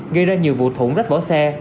gây ra nhiều vụ thủng rách bỏ xe